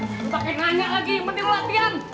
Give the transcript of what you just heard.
lu pake nganyak lagi penting lu latihan